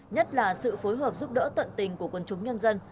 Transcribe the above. nhất là sự phối hợp giúp đỡ tận tình của quân chúng nhân dân